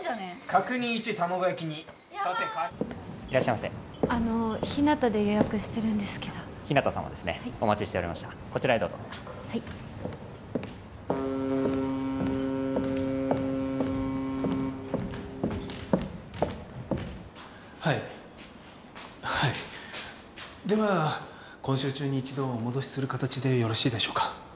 角煮１卵焼き２いらっしゃいませあの日向で予約してるんですけど日向様ですねお待ちしておりましたこちらへどうぞはいはいはいでは今週中に一度お戻しする形でよろしいでしょうか？